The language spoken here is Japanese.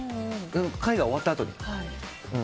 会が終わったあとに。